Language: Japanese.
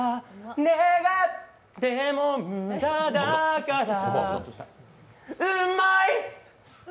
願っても無駄だからうんまい！